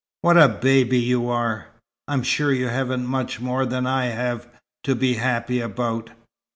"What a baby you are! I'm sure you haven't much more than I have, to be happy about.